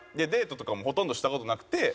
デートとかもほとんどした事なくて。